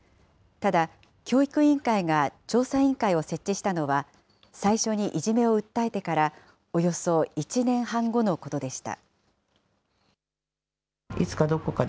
ただ、教育委員会が調査委員会を設置したのは、最初にいじめを訴えてからおよそ１年半後のことでした。